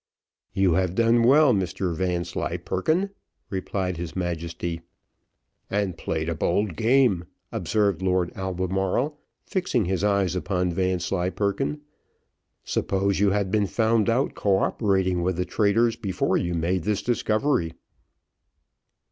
"You have done well, Mr Vanslyperken," replied his Majesty. "And played a bold game," observed Lord Albemarle, fixing his eyes upon Vanslyperken. "Suppose you had been found out co operating with traitors, before you made this discovery!"